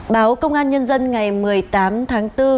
báo công an nhân dân ngày một mươi tám tháng bốn